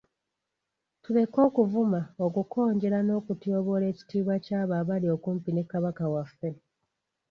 Tuleke okuvuma, okukonjera n'okutyoboola ekitiibwa ky'abo abali okumpi ne Kabaka waffe.